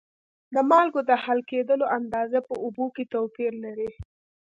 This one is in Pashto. د مالګو د حل کیدلو اندازه په اوبو کې توپیر لري.